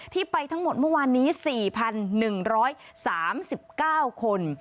ที่ไปทั้งหมดเมื่อวานนี้สี่พันหนึ่งร้อยสามสิบเก้าคน